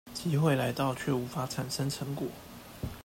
機會來到卻無法產生成果